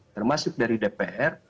termasuk dari dpr